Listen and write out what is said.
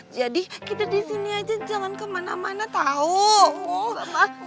jadi kita disini aja jangan kemana mana tau ya tante